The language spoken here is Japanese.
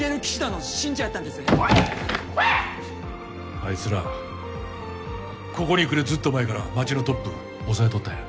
あいつらここに来るずっと前から町のトップを押さえとったんや。